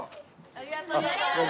ありがとうございます。